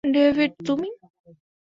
David, তুমি?